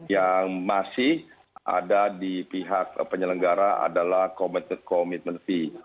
yang masih ada di pihak penyelenggara adalah committed commitment fee